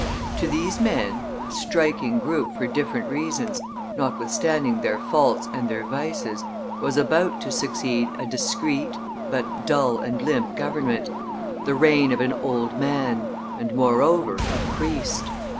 To these men, a striking group for different reasons, notwithstanding their faults and their vices, was about to succeed a discreet but dull and limp government, the reign of an old man, and, moreover, a priest.